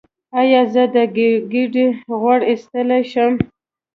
ایا زه د ګیډې غوړ ایستلی شم؟